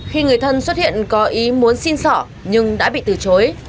khi người thân xuất hiện có ý muốn xin sỏ nhưng đã bị tử vụ